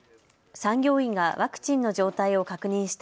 産業医がワクチンの状態を確認した